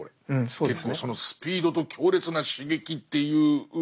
結構そのスピードと強烈な刺激っていうもの